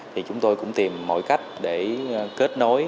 thì chúng tôi cũng tìm mọi cách để kết nối